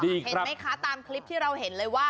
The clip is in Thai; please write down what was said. เห็นไหมคะตามคลิปที่เราเห็นเลยว่า